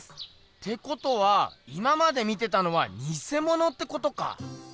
ってことは今まで見てたのはにせものってことか？